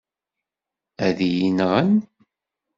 Ad iyi-nɣen.